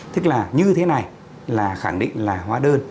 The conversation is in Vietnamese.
tức là như thế này là khẳng định là hóa đơn